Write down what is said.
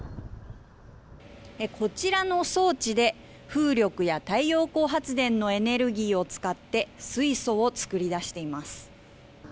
こちらの装置で風力や太陽光発電のエネルギーを使って水素を作り出しています。